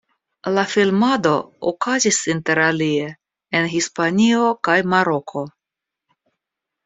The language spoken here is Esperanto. La filmado okazis inter alie en Hispanio kaj Maroko.